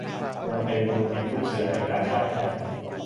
วงไพบูลย์แห่งลูกเสือและกาชาดไทย